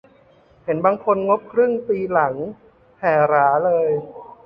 เห็นบางคนงบครึ่งปีหลังแผ่หราเลย